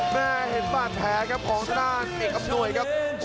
แม่เข็จฝาดแผลครับหองสนานอังมางกอะพ่อ